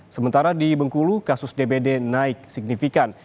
sementara di bengkulu kasus dbd naik signifikan